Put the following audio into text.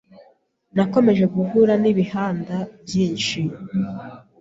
Nakomeje guhura n’ibihanda byinshi